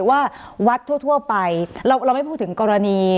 ว่าวัดทั่วไปนี้เราไม่พูดถึงกรณีเหรียญพระ